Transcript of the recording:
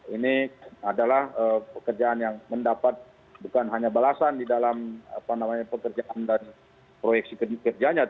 ini adalah pekerjaan yang mendapat bukan hanya balasan di dalam pekerjaan dan proyeksi kerjanya